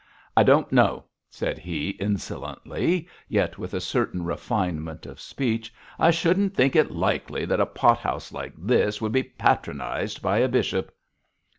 'I don't know,' said he, insolently, yet with a certain refinement of speech. 'I shouldn't think it likely that a pot house like this would be patronised by a bishop.'